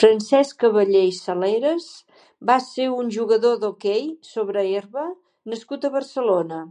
Francesc Caballer i Saleras va ser un jugador d'hoquei sobre herba nascut a Barcelona.